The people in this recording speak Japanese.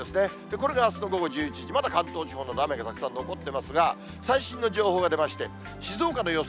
これがあすの午後１１時、まだ関東地方に雨たくさん残ってますが、最新の情報が出まして、静岡の予想